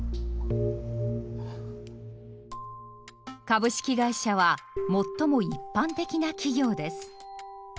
株式会社は最も一般的な企業です。